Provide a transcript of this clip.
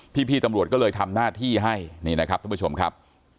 พี่ตำรวจก็เลยทำหน้าที่ให้นี่นะครับท่านผู้ชมครับ